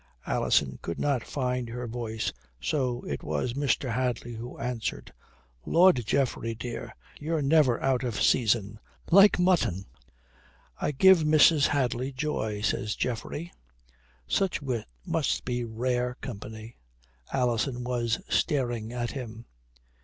Alison could not find her voice, so it was Mr. Hadley who answered, "Lud, Geoffrey dear, you're never out of season: like mutton." "I give Mrs. Hadley joy," says Geoffrey. "Such wit must be rare company." Alison was staring at him.